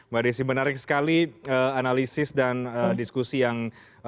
mbak desi menarik sekali analisis dan diskusi yang